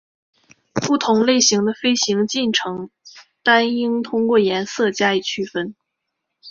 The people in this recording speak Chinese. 不同类型的飞行进程单应通过颜色加以区别。